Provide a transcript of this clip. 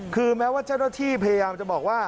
คือแม้ว่าเจ้าหน้าที่พยายามจะบอกว่า